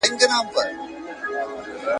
په څپلیو کي یې پښې یخی کېدلې ..